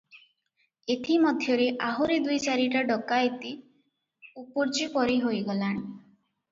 ଏଥି ମଧ୍ୟରେ ଆହୁରି ଦୁଇ ଚାରିଟା ଡକାଏତି ଉପୁର୍ଯ୍ୟୁପରି ହୋଇଗଲାଣି ।